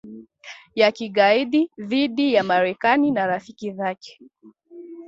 ya kigaidi dhidi ya Marekani na rafiki zake